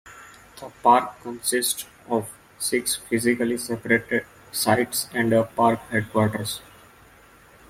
The park consists of six physically separate sites and a park headquarters.